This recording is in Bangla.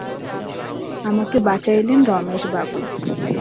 আমাকে বাঁচাইলেন রমেশবাবু।